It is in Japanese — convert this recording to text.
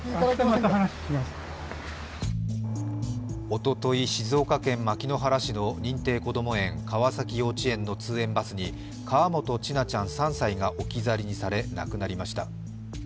おととい、静岡県牧之原市の認定こども園、川崎幼稚園の通園バスに河本千奈ちゃん３歳が置き去りにされ亡くなりました。